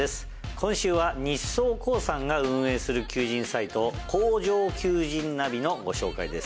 今週は日総工産が運営する求人サイト「工場求人ナビ」のご紹介です。